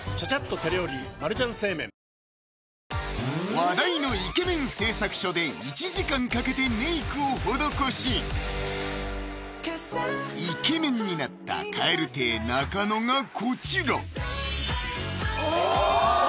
話題のイケメン製作所で１時間かけてメイクを施しイケメンになった「蛙亭」・中野がこちらおぉ！